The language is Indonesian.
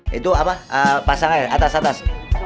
hai itu apa pasang air atas atas